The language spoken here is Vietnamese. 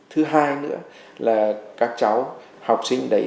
thứ hai nữa là các cháu học sinh đấy